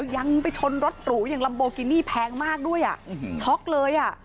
ยังไปชนรถหรูอย่างลัมโบกินี่แพงมากด้วยอ่ะช็อกเลยอ่ะ